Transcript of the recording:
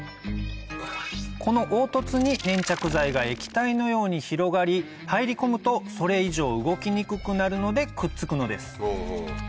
この凹凸に粘着剤が液体のように広がり入り込むとそれ以上動きにくくなるのでくっつくのです